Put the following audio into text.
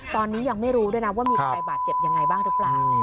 ตอนนี้ยังไม่รู้ด้วยนะว่ามีใครบาดเจ็บยังไงบ้างหรือเปล่า